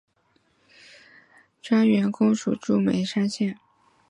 专员公署驻眉山县。